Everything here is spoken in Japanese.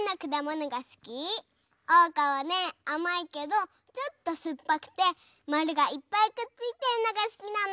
おうかはねあまいけどちょっとすっぱくてまるがいっぱいくっついてるのがすきなの！